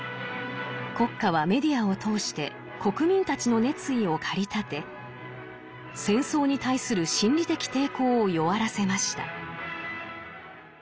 国家はメディアを通して国民たちの熱意を駆り立て戦争に対する心理的抵抗を弱らせました。